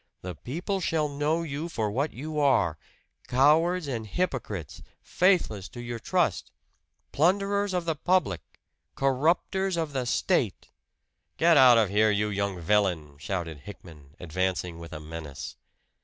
The people shall know you for what you are cowards and hypocrites, faithless to your trust! Plunderers of the public! Corrupters of the state!" "Get out of here, you young villain!" shouted Hickman, advancing with a menace.